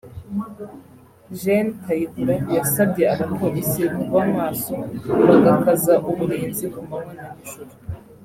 Gen Kayihura yasabye Abapolisi kuba maso bagakaza uburinzi ku manywa na nijoro